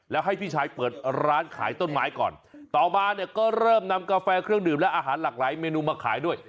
แล้วให้พี่ชายเปิดร้านขายต้นไม้ก่อนต่อมาเนี่ยก็เริ่มนำกาแฟเครื่องดื่มและอาหารหลากหลายเมนูมาขายด้วย